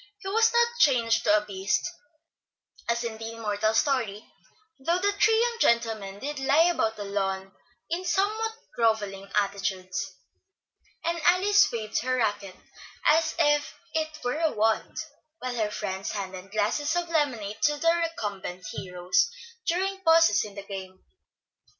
He was not changed to a beast, as in the immortal story, though the three young gentlemen did lie about the lawn in somewhat grovelling attitudes; and Alice waved her racquet as if it were a wand, while her friends handed glasses of lemonade to the recumbent heroes during pauses in the game.